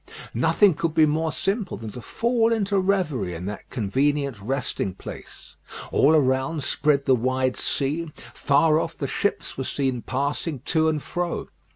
Nothing could be more simple than to fall into reverie in that convenient resting place. All around spread the wide sea; far off the ships were seen passing to and fro.